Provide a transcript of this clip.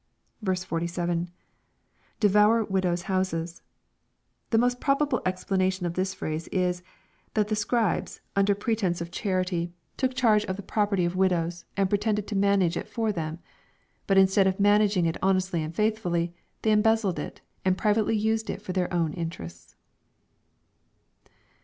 47. — [Devour vndows^ houses!] The most probable explanation of this phrase is, that the Sc'^.bes, under pretence of charity, took S50 EXPOSITORY THOUGHTS. charge of the property of widows, and pretended to mauage it for them. Eut instead of managing it honestly and faithftilly, they embezzled it, and privately used it for their own interests.